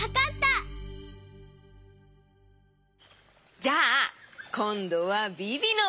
じゃあこんどはビビのばん。